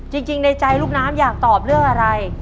จริงในใจลูกน้ำอยากตอบเรื่องอะไร